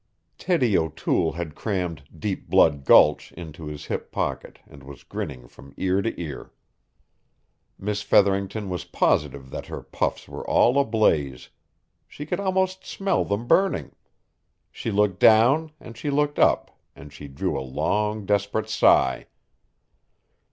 Teddie O'Toole had crammed "Deep Blood Gulch" into his hip pocket and was grinning from ear to ear. Miss Featherington was positive that her puffs were all ablaze. She could almost smell them burning. She looked down and she looked up and she drew a long, desperate sigh.